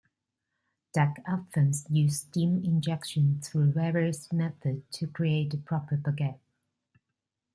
Deck ovens use steam injection, through various methods, to create the proper baguette.